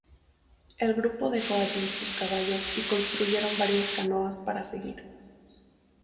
El grupo dejó allí sus caballos y construyeron varias canoas para seguir.